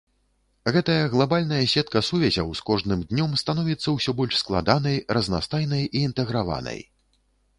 Гэтая глабальная сетка сувязяў з кожным днём становіцца ўсё больш складанай, разнастайнай і інтэграванай.